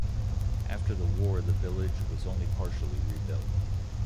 After the war, the village was only partially rebuilt.